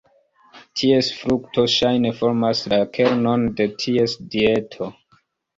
Ties frukto ŝajne formas la kernon de ties dieto.